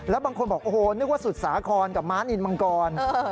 แล้วบางคนบอกโอ้โฮนึกว่าสุดสาธารณ์กับมาสร์ินส์บังกร